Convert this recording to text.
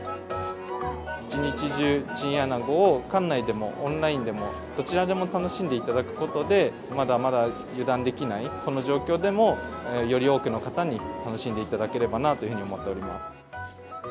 一日中、チンアナゴを館内でもオンラインでも、どちらでも楽しんでいただくことで、まだまだ油断できないこの状況でもより多くの方に楽しんでいただければなというふうに思っています。